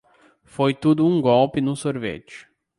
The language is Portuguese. Foi tudo um golpe no sorvete.